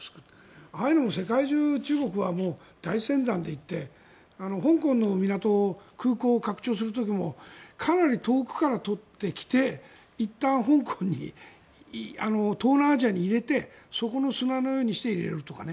ああいうのも世界中中国は大船団で行って香港の港、空港を拡張する時もかなり遠くから取ってきていったん香港に東南アジアに入れてそこの砂のようにして入れるとかね。